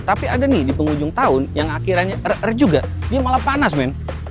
tapi ada nih di penghujung tahun yang akhirnya er er juga dia malah panas men